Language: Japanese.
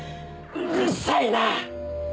うるさいな！